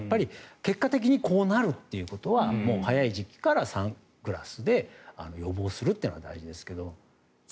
結果的にこうなるということはもう早い時期からサングラスで予防するのが大事ですが。